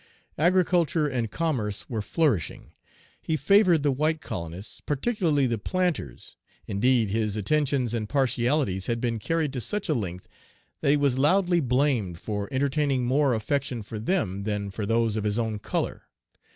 Agriculture and commerce were flourishing. He favored the white colonists, particularly the planters. Indeed, his attentions and partialities had been carried to such a length, that he was loudly blamed for entertaining more affection for them than for those of his own color.